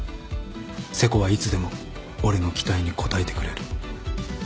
瀬古はいつでも俺の期待に応えてくれる。